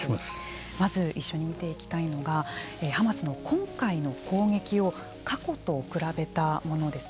まず一緒に見ていきたいのがハマスの今回の攻撃を過去と比べたものです。